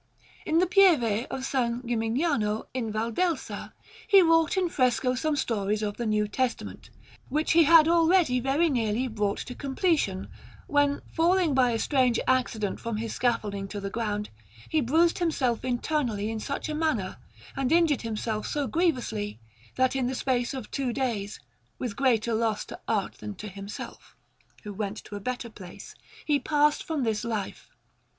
In the Pieve of San Gimignano in Valdelsa he wrought in fresco some stories of the New Testament, which he had already very nearly brought to completion, when, falling by a strange accident from his scaffolding to the ground, he bruised himself internally in such a manner, and injured himself so grievously, that in the space of two days, with greater loss to art than to himself, who went to a better place, he passed from this life.